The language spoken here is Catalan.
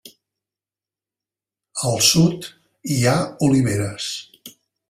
Al sud hi ha oliveres.